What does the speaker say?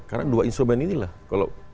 karena dua instrumen inilah kalau